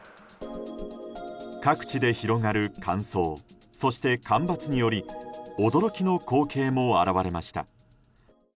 各地で広がる乾燥、そして干ばつにより驚きの光景も現れました。